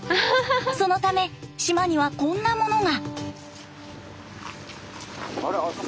そのため島にはこんなものが。